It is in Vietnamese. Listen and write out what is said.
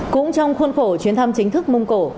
cũng trong khuôn khổ chuyến thăm chính thức mông cổ